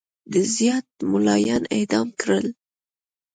ډېر زیات مُلایان اعدام کړل.